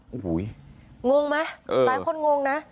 โอ้ยงงมั้ยหลายคนงงนะ